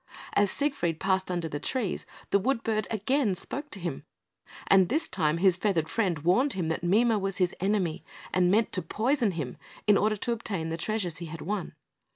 As Siegfried passed under the trees, the wood bird again spoke to him: and this time his feathered friend warned him that Mime was his enemy, and meant to poison him in order to obtain the treasures he had won.